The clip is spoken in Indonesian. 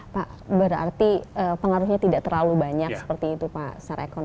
pak berarti pengaruhnya tidak terlalu banyak seperti itu pak